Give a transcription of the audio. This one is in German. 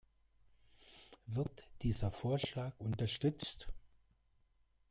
Wird dieser Vorschlag unterstützt?